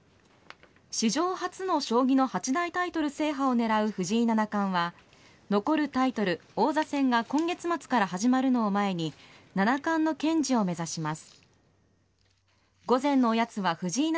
史上初の将棋の八大タイトル制覇を狙う藤井七冠は残るタイトル王座戦が今月末から始まるのを前に七冠の堅持を目指します。